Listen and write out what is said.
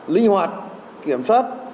linh hoạt kiểm soát